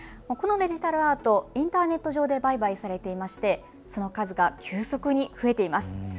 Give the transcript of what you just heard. このデジタルアートインターネット上で売買されていましてその数が急速に増えています。